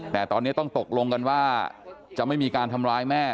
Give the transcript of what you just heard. แต่ตอนนี้ต้องตกลงกันว่าจะไม่มีการทำร้ายแม่